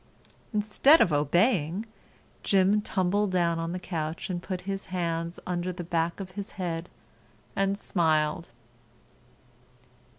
Instead of obeying, Jim tumbled down on the couch and put his hands under the back of his head and smiled.